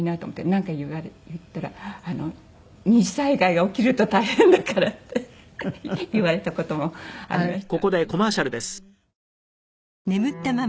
なんか言ったら「二次災害が起きると大変だから」って言われた事もありました。